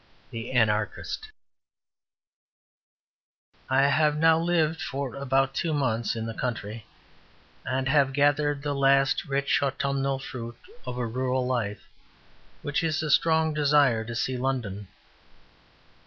The Anarchist I have now lived for about two months in the country, and have gathered the last rich autumnal fruit of a rural life, which is a strong desire to see London.